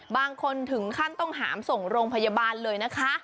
บางคนถึงขั้นต้องหามส่งโรงพยาบาลเลยนะคะ